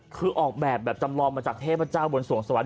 คือออกแบบแบบจำลองมาจากเทพเจ้าบนสวงสวรร